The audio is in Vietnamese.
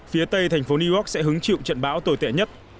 phía tây thành phố new york sẽ hứng chịu trận bão tồi tệ nhất